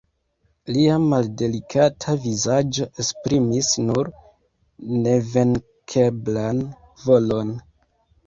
Lia maldelikata vizaĝo esprimis nur nevenkeblan volon.